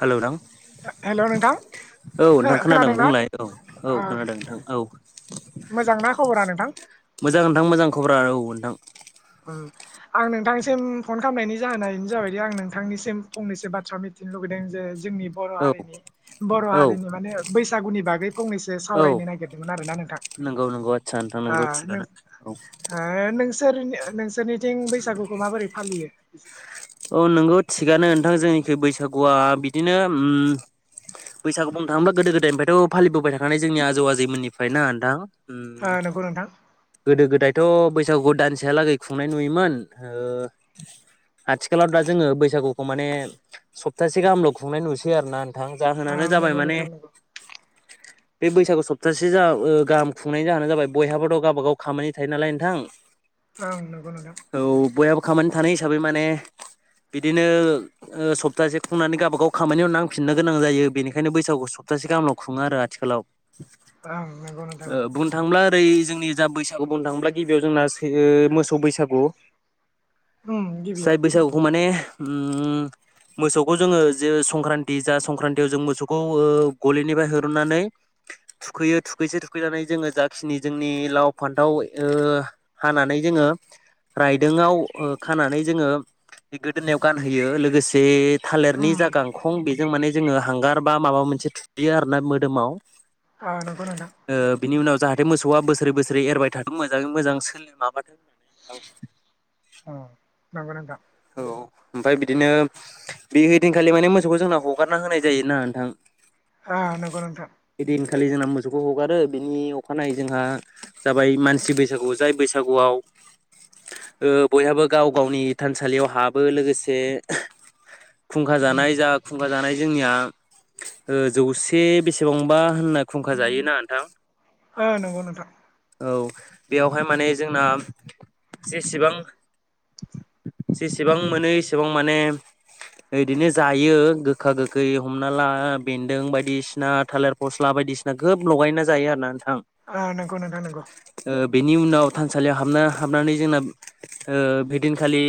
हेलौथां हेल' नोंथां औ नोंथां खोनादों खोनादोंना बुंलाय औ औ खोनादों नोंथां औ मोजांना खबरा नोंथां मोजां नोंथां मोजां खबरा औ नोंथां। उम आं नोंथांसिम फन खालामनायनि जाहोना इनो जाबायदि आं नोंथांनिसिम फंनैसो बाथ्रा मिथिनो लुुबैदों जे जोंनि बर' औ हारिनि बर' औ हारिनि माने बैसागुनि बागै फंनैसो औ सावरायनो नागिरदोंमोन आरोना नोंथां नंगौ नंगौ आदसा नोंथां नंगौ थिगानो औ [unintelligible] [unintelligible] नोंसोरनिथिं बैसागुखौ माबोरै फालियो? औ नोंगौ थिगानो नोंथां जोंनिखि बैसागुआ बिदिनो उम बैसागु बुंनो थाङोबा गोदो गोदायनिफ्रायथ' फालिबोबाय थाखानानै जोंनि आजौ आजैमोननिफ्राय ना नोंथां? नंगौ नोंथां गोदो गोदाय थ' बैसागु दानसेहालागै खुंनाय नुयोमोन ओ आथिखालाव दा जोङो बैसागुखौ माने सप्तासे गाहामल खुंनाय नुसै आरोना। थां जाहोनानो जाबाय नंगौ माने। नोंथां नंगौ बे बैसागु सप्तासे जा गाहाम खुंनायनि जाहोनानो जाबाय बयहाबोथ गावबाागाव खामानि थायो नालाय नोंथां। ओं नंगौ नोंथां। औ बयहाबो खामानि थानाय हिसाबै माने बिदिनो सप्तासे खुंनानै गावबागाव खामानियाव नांफिननो गोनां जायो बेनिखायनो बैसागुखौ सप्तासे गाहामलायाव खुङो आरो आथिखालाव ओं नंगौ नोंथां बुंनो थाङोब्ला ओ जोंनि जा बैसागु बुंनो थाङोब्ला गिबियाव जोंना मोसौ बैसागु ओम जाय बैसागुखौ माने ओम मोसौखौ जोङो जे संक्रान्ति जा संक्रान्तियाव जों मोसौखौ गलिनिफ्राय हरुननानै थुखैयो थुखैस थुखैनानै जोङो जाखिनि जोंनि लाव फान्थाव हानानै जोङो रायदोंआव खानानै जोङो बे गोदोनायाव गानहोयो लोगोसे थालिरनि जा गांखं बे जों माने जोङो हांगार बा माबा मोनसे थुैयो आरोना मोदोमाव आ नंगौ नोंथां। ओ बिनि उनाव जाहाथे मोसौआ बोसोरै बोसोरै एरबाय थाथों मोजाङै मोजां सोलि अ नंगौ नोंथां औ ओमफाय बिदिनो बेहदिनखालि माने मोसौखौ जोंना हगारना होनाय जायो ना नोंथां। ओ नंगौ नोंथां आखालि जोंना मोसौखौ हगारो बिनि अखानायै जोंहा जाबाय मानसि बैसागु जाय बैसागुआव ओ बयहाबो गाव गावनि थानसालि। थालियाव हाबो लोगोसे फुंखा ओ जानाय जा खुंखा जानाय जोंनिया जौसे बेसेबांबा होनना खुंखा जायोना नोंथां ओ नंगौ नोंथां। औ बेयावहाय माने जोंना जेसेबां जेसेबां मोनो एसेबां माने बिदिनो जायो गोखा गोखै हमना ला बेन्दों बायदिसिना थालिर फस्ला बायदिसिना गोब लगायना जायो आर ना आ नंगौ नोंथां नंगौ बेनि उनाव थानसालियाव हाबना हाबनानै जोंना ओ बिदि खालि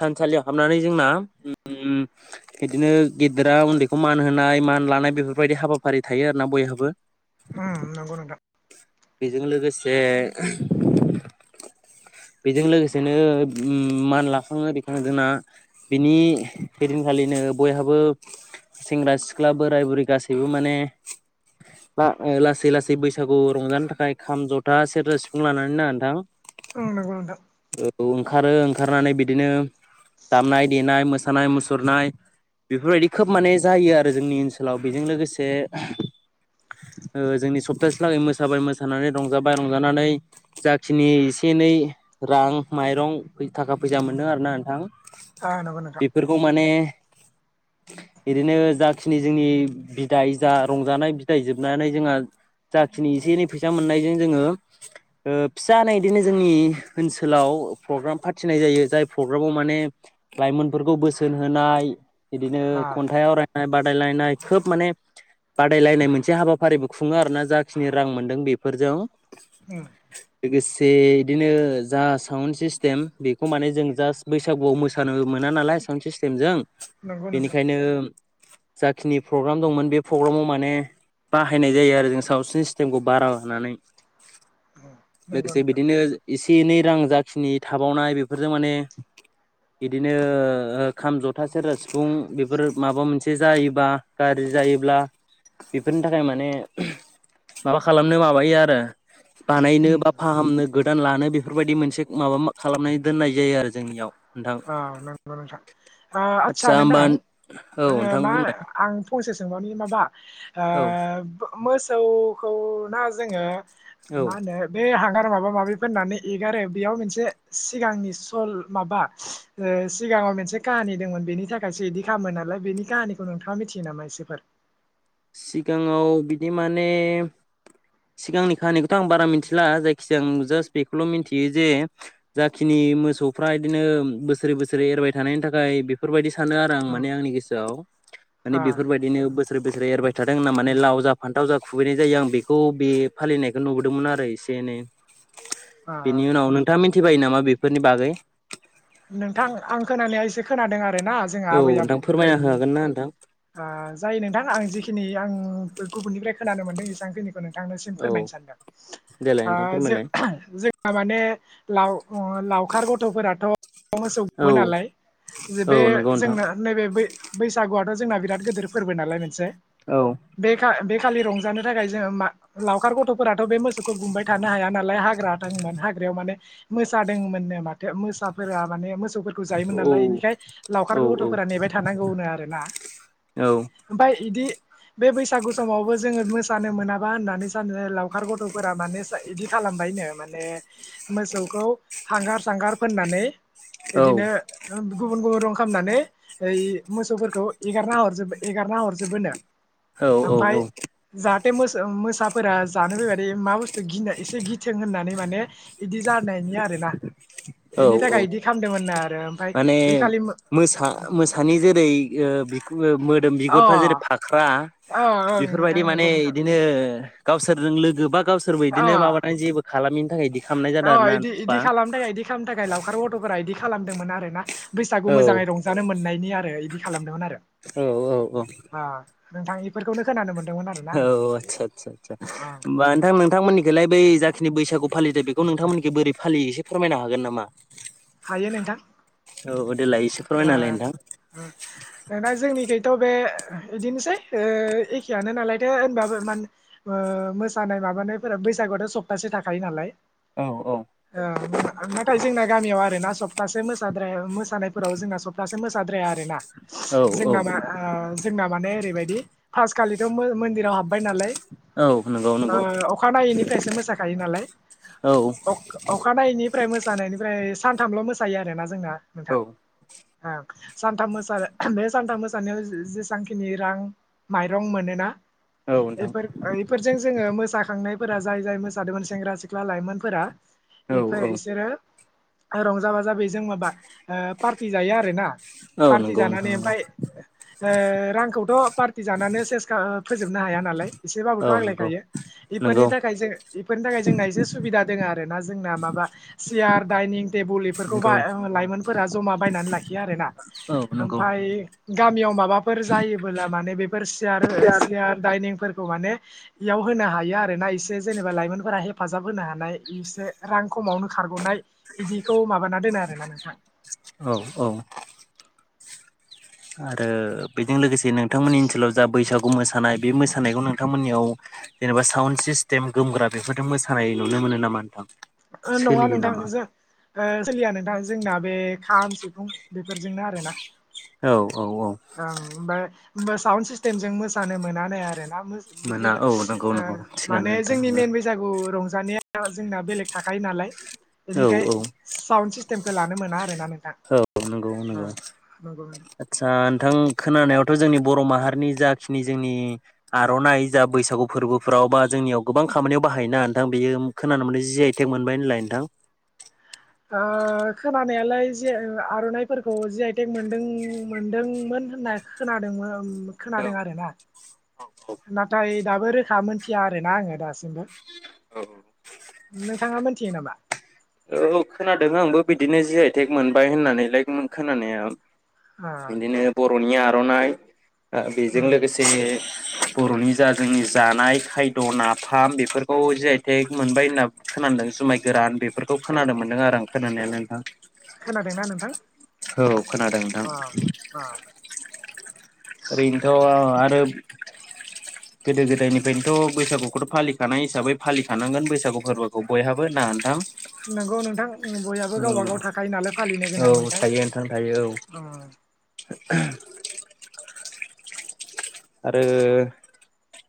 थानसालियाव हाबनानै जोंना बिदिनो गेदेरा उन्दैखौ मान होनाय मान लानाय बेफोरबायदि हाबाफारि थायो आरोना बयहाबो उम नंगौ नोंथां। बेजों लोगोसे बेजों लोगोसेनो मान लाखाङो रिखाङो जोंना बिनि बेदिनखालिनो बयहाबो सेंग्रा सिख्ला बोराय बुरै गासैबो माने लासै लासै बैसागु रंजानो थाखाय खाम जथा सेरजा सिफुं लानानै ना नोंथां औ नंगौ नोंथां। औ ओंखारो ओंखारनानै बिदिनो दामनाय देनाय मोसानाय मुसुरनाय बेफोरबायदि खोब माने जायो आरो जोंनि ओनसोलाव बेजों लोगोसे जोंनि सप्तासे लागै मोसाबाय मोसानानै रंजाबाय रंजानानै जाखिनि एसे एनै रां माइरं थाखा फैसा मोनदों आर ना नोंथां ओ नंगौ नोंथां बेफोरखौ माने बिदिनो जाखिनि जोंनि बिदाय जा रंजानाय बिदाय जोबनानै जोंहा जाखिनि एसे एनै फैसा मोननायजों जोङो ओ फिसानो बिदिनो जोंनि ओनसोलाव प्रग्राम फाथिनाय जायो जाय प्रग्रामाव माने लाइमोनफोरखौ बोसोन होनाय बिदिनो ओ खन्थाइ आवरायनाय बादायलायनाय खोब माने बादायलायनाय मोनसे हाबाफारिबो खुङो आरोना जाखिनि रां मोनदों बेफोरजों उम [unintelligible] बेदिनो जा साउन्ड सिस्टेम बेखौ माने जों जास्ट बैसागुआव मोसानो मोना नालाय साउन्ड सिस्टेमजों नंगौ नोंथां बेनिखायनो जाखिनि प्रग्राम दंमोन बे प्रग्रामाव माने बाहायनाय जायो आरो जों साउन्द सिस्टेमखौ बारा होनानै। उम नंगौ लोगोसे नोंथां बिदिनो इसे बेनि रां जाखिनि थाबावनाय बेफोरजों माने बिदिनो ओ खाम जथा सेरजा सिफुं बेफोर माबा मोनसे जायोबा गाज्रि जायोब्ला बेफोरनि थाखाय माने माबा खालामनो माबायो आरो। बानायनो उम बा फाहामनो गोदान लानो बे फोरबायदि मोनसे माबा खालामनानै दोननाय जायो आरो जोंनियाव। नोंथां औ नंगौ नोंथां ओ आदसा नोंथां औ नोंथां मा बुंलाय आं फंसे सोंबावनि माबा ओ औ मोसौखौना जोङो औ मा होनो बे आ माबा माबि फुननानै एगारो बेयाव मोनसे सिगांनि सल माबा ओ सिगाङाव मोनसे काहानि दंमोन। बेनि थाखायसो बिदि खालामो नालाय बेनि काहानिखौ नोंथाङा मिथियो नामा इसेफोर? सिगाङाव बिदि माने सिगांनि खाहानिखौथ' आं बारा मिथिला जायखिजाया आं जास्ट बेखौल' मिथियो जे जाखिनि मोसौफ्रा बिदिनो बोसोरै बोसोरै एरबाय थानायनि थाखाय बेफोरबायदि सानो आरो आं उम माने आंनि गोसोआव। आ माने बेफोरबायदिनो बो बोसोरे बोसोरे एरबाय थाथों ना माने उम लाव जा फान्थाव जा खुबैनाय जायो आं बेखौ बे फालिनायखौ नुबोदोंमोन आरो एसे एनै। आ बेनि उनाव नोंथाङा मि थिबायो नामा बेफोरनि बागै? नोंथां आं खोनानाया एसे खोनादों। ना जोंहा औ आबै नोंथां फोरमायना आबौनिफ्रायनि हागोन ना नोंथां ओ जायो नोंथां आं जिखिनि आं उम गुबुननिफ्राय खोनानो मोनदों एसांखिनि नोंथांनिसिम औ फोरमायनो सानदों। देलाय ओ नोंथां जो फोरमायलाय जो थार माने लाव-लावखार गथ'फोराथ' मोसौ औ गुमोनालाय जे औ बे नंगौ नोंथां जोंना नैबे बै बैसागुआथ' जोंना बिराद गिदिर फोरबो नालाय मोनसे। औ बेखा बे खालि रंजानो थाखाय जोङो मा लावखार गथ'फोराथ' बे मोसौ खौ गुमबाय थानो हायानालाय हाग्रा दोमोन हाग्रायाव माने मोसादोंमोननो माथो मोसा फोरा माने मो सौफोरखौ जायोमोन औ नालाय बेनिखाय लावखार औ गथ'फोरा नेबाय थानांगौनो आरोना औ ओमफ्राय इदि बे बैसागु समावबो जोङो मो सानो मोनाबा होननानै सानो लावखार गथ'फोरा मानेस इदि खालामबायनो माने मोसौखौ हांगार सांगार फोननानै औ इदिनो ओम गुबुन गुबुन रं खामनानै ओइ मोसौफोरखौ एगारना हरजोबाय एगारना हरजोबोनो औ औ औ बे मोसौ मोसाब फोरा जानो फैबायदि मा बुस्थ ओ गिनाय एसे गिथों होननानै माने इदि जानायनि आरोना औ एनि थाखाय औ इदि खामदोंमोननो माने मोसा मोसानि जेरै ओ बिखु ओ मोदोम अ ओ बिगुरफ्रा जेरै फाख्रा ओं नोंथां बेफोरबायदि माने नंगौ नोंथां इदिनो ओ गावसोरजों लोगो बा गावसोरबो अ इदिनो माबाथाय जेबो खालामिनि थाखाय दि अ इदि इदि खालाम थाखाय इदि खाम थाखाय लावखार गथ'फोरा इदि खालामदोंमोन आरोना बैसागु औ मोजाङै रंजानो मोननायनि आरो इदि खालामदोंमोन आरो औ औ अ ओ नोंथां बेफोरखौनो खोनानो मोन औ आदसा आदसा आसा बा नोंथां नोंथांमोननिखोलाय बै जाख नि बैसागु फालिथाय बेखौ नोंथांमोननिखि बोरै फालियो एसे फोरमायनो हागोन नामा? हायो नोंथां। औ गोद दा ओ दाना जोंनिखैथ' बे ओहो बिदिनोसै ओ एखेयानो नालायथे होनबाबो मान ओ मोसानाय माबानायफोरा बैसागुथ' सप्तासे थाखायो नालाय औ ओ ङ ओंखायनो थासे जोंना गामियाव आरो ना सप्तासे मोसाद्राया मोसा फ्राव जोंना सप्टा मोसाद्राया आरो ना। औ जोंना मा ओ जोंना माने ओरैबायदि पासखालिथ' मो मन्दिराव हाबबाय नालाय। औ नंगौ नंगौ ओ अखानायै निफ्रायसो मोसाखायो नालाय औ अख-अखानायैनिफ्राय मोसानायनिफ्राय सानथामल' मोसायो आरोना जोंना नोंथां। औ ओं सानथाम मोसानो बे सानथाम मोसानायाव जेसांखिनि रां माइरं मोनोना औ नोंथां इफोर इफोरजों जोंङो मोसाखांनाय फोरा जाय जाय मोसादोंमोन सेंग्रा सिख्ला लाइमोनफोरा औ इफो औ इसोर रंजा बाजा बेजों माबा ओ पार फैजाया आरो ना औ नंगौ नोंथां नंगौ। ओ रांखौथ' पार्टि जानानै सेसखा फोजोबनो हाया नालाय औ एसेबाबोथ' नंगौ आग्लायखायो इफोरनि नंगौ थाखाय जों इफोरनि थाखाय जोंना एसे सुबिदा दोङा आरो ना जोंना माबा चियार दाइनिं टेबुल एफोरखौ बा नंगौ लाइमोनफोरा जमा बायनानै लाखिया आरो ना औ नंगौ ओमफाय गामियाव माबाफोर जायोबोला माने बेफोर चियार ओ चियार दायनिंफोर माने इयाव होनो हायो आरो ना एसे जेनेबा लाइमोनफोरा हे हेफाजाब होनो हानाय एसे रां खमावनो खारग'नाय बिदिखौ माबाना दोनो आरोना नोंथां औ औ आरो बेजों लोगोसे नोंथांमोननि ओनसोलाव जा बैसागु मोसानाय बे मोसानायखौ नोंथांमोननियाव जेनेबा साउन्ड सिस्टेम गोमग्रा बेफोरजों मोसानाय नुनो मोनो नामा नोंथां ओ नंङा सोलियो नामा? नोंथां जों ओ सोलिया नोंथां जोंना बे खाम सिफुं बेफोरजोंनो आरोना। औ औ औ ओमबाय होमबा साउन्द सिस्टेमजों मोसानो मोना नो आरो। [unintelligible] मोना औ नंगौ ओ नंगौ थिगानो माने नोंथां जोंनि मेन नंगौ बैसागु रंजानाया आ जोंना बेलेग थाखायो नालाय। औ बेनिखाय औ साउन्ड सिस्टेमखो लानो मोना आरोना नों। औ नंगौ नंगौ नोंथां आदसा। ओ नोंथां खोनानायावथ' जोंनि बर' माहारिनि जाखिनि जोंनि आर'नाइ जा बैसागु फोरबोफ्राव बा जोंनियाव गोबां खामानियाव बाहायोना नोंथां बेयो खोनानो मोनदों जि आइ टेक मोनबाय होनलाय नोंथां। ओ खोनानायालाय जे ओ आर'नाइफोरखौ जे आइटेक मोनदों मोनदोंमोन होनना खोनादों ओं। खोनादों आरो ना। नाथाय। दाबो रोखा मोनथिया आरोना आङो दासिमबो। औ। नोंथाङा मोनथियो नामा। औ खोनादों आंबो बिदिनो जि आइ थेक मोनबाय होननानै लाइक खोनानाया। ओ बिदिनो बरनि आ र'नाय। ओ बेजों उम लोगोसेनो। बर'नि जा जोंनि जानाय खायद' नाफाम बेफोरखौ जि आइ तेक मोनबाय होनना खोनादों जुमाय गोरान बेफोर। खौ खोनादों मोन्दों आरो आं खोनानायालाय नोंथां। खोनादोंना नोंथां औ खोनादों नोंथां अ अ ओरैनोथ' आरो। गोदो गोदायनिफ्रायनोथ' बैसागुखौथ' फालिखानाय हिसाबै फालिखानांगोन बैसागु फोरबोखौ बयहाबो ना नोंथां। नोंगौ नोंथां बयाबो औ गावबागाव थाखायो नालाय फालिनो औ गोनां मोनथाय थायो नोंथां थायो औ उम। [inaudible] आरो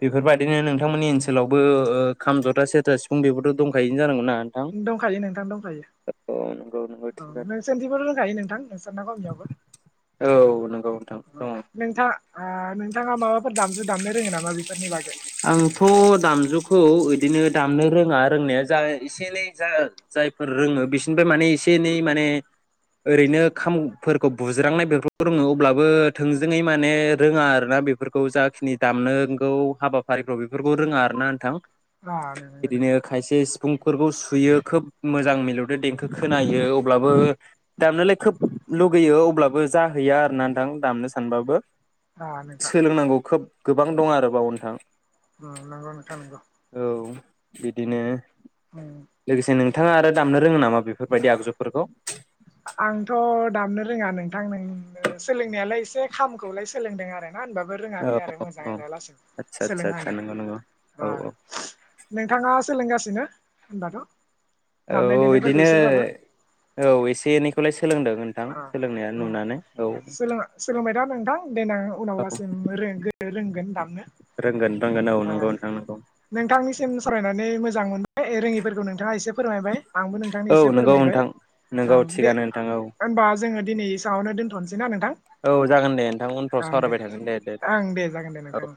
बेफोरबायदिनो नोंथांमोननि ओनसोलावबो ओ खाम जथा सेरथा सिफुं बेबोथ' दंखायोनो जानांगौ ना। दंखायो नोंथां दंखायो नंगौ नंगौ औ थिगानो नोंसोरथिबो दंखायो नोंथां नोंसोरना गावनियावबो। औ नंगौ। नोंथां दङ नोंथां। ओ नोंथाङा माबाफोर दामजु। दामनो रोङो नामा बेफोरनि बागै। आंथ' दामजुखौ इदिनो दामनो रोङा रोंनाया जा एसे एनै जा जायफोर रोङो बिसोरनिफ्राय माने एसे एनै माने ओरैनो खामफोरखौ बुज्रांनाय बेफोरखौ रोङो अब्लाबो थोंजोङै माने रोङा आरोना बेफोरखौ जाखिनि दामनोंगौ हाबा फारिफ्राव बेफोरखौ रोङा आरो ना नोंथां। [unintelligible] फुंफोरखौ सुयो खोब मोजां मिलौदो देंखो खोनायो अब्लाबो दामनोलाय खोब लुगैयो अब्लाबो जाहैया आरो ना नोंथां दामनो सानबाबो आ नोंथां सोलोंनांगौ खोब गोबां दं आरोबाव नोंथां। उम नंगौ नोंथां नंगौ। औ बिदिनो उम लोगोसे नों थाङा आरो दामनो रोङो नामा बेफोरबायदि आगजुफोरखौ? थां नों नो सोलोंनायालाय एसे खामखौलाय सोलोंदों आरो ना होनबाबो औ रोङाखै आरो औ मोजाङै दा लासिम आदसा आदसा आदसा सोलोंहांदों नंगौ नंगौ औ अह नोंथाङा सोलोंगासिनो होनबाथ'? दामनाय देनायबोरखौ एसे ओ औ एसे एनैखौलाय सोलोंदों नोंथां सोलोंनाया अह उम नुनानै औ सोलो-सोलोंबाय दा नोंथां देनां औ उनावलासिम रोंगोन दामनो रोंगोन रोंगोन औ ओ नंगौ नोंथां नंगौ नोंथांनि सिम सावरायनानै मोजां मोन बाय रोङिफोरखौ नोंथाङा एसे फोरमायबाय आंबो नोंथांनो औ एसे नंगौ फोरमायबाय नोंथां नंगौ ओम बे थिगानो नोंथां औ होनबा जोङो दिनि एसेयावनो दोनथ'सै। औ जागोन दे नोंथां उनफ्राव सावरायबाय थागोन दे दे ओं जागोन दे औ। नोंथां